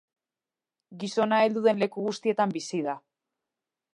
Gizona heldu den leku guztietan bizi da.